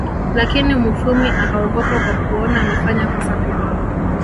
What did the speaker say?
Lakini Mufwimi akaogopa kwa kuona amefanya kosa kubwa